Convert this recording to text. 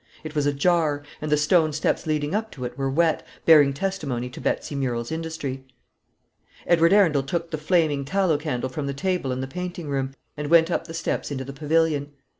It was ajar, and the stone steps leading up to it were wet, bearing testimony to Betsy Murrel's industry. Edward Arundel took the flaming tallow candle from the table in the painting room, and went up the steps into the pavilion.